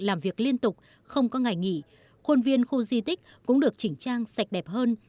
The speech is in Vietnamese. làm việc liên tục không có ngày nghỉ khuôn viên khu di tích cũng được chỉnh trang sạch đẹp hơn